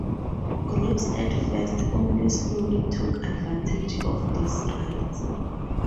Groups at first only slowly took advantage of these rights.